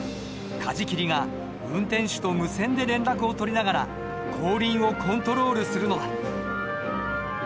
舵切りが運転手と無線で連絡を取りながら後輪をコントロールするのだ。